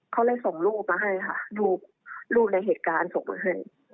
เขาเลยส่งรูปมาให้ค่ะรูปรูปในเหตุการณ์ส่งมาให้